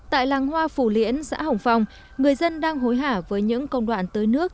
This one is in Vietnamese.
tại làng hoa phủ liễn xã hồng phong người dân đang hối hạ với những công đoạn tới nước